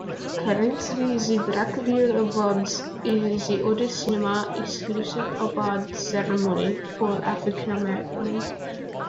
Currently, the Black Reel Awards is the oldest cinema-exclusive awards ceremony for African-Americans.